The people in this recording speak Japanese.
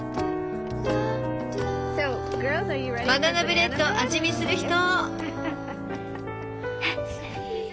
バナナブレッド味見する人？